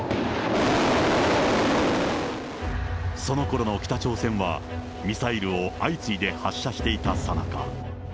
そのころの北朝鮮は、ミサイルを相次いで発射していたさなか。